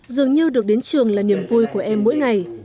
dường như được đến trường là niềm vui của em mỗi ngày